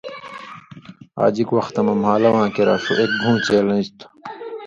آژُک وختہ مہ مھالواں کریا ݜُو اک گھوں چېلنج تُھو